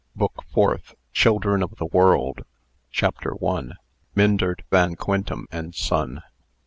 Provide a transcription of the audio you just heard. BOOK FOURTH. CHILDREN OF THE WORLD. CHAPTER I. MYNDERT VAN QUINTEM AND SON.